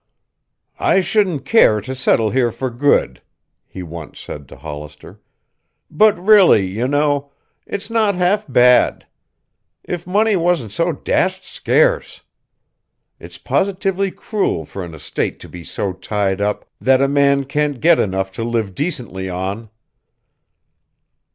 "I shouldn't care to settle here for good," he once said to Hollister. "But really, you know, it's not half bad. If money wasn't so dashed scarce. It's positively cruel for an estate to be so tied up that a man can't get enough to live decently on."